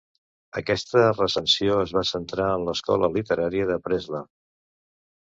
Aquesta recensió es va centrar en l'escola literària de Preslav.